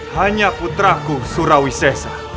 hanya putraku surawisesa